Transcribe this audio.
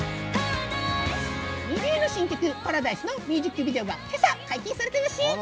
ＮｉｚｉＵの新曲『Ｐａｒａｄｉｓｅ』のミュージックビデオが今朝解禁されたなっしー！